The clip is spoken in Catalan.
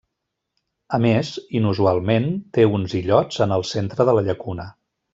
A més, inusualment, té uns illots en el centre de la llacuna.